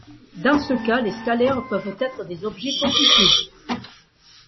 Dans ce cas, les scalaires peuvent être des objets compliqués.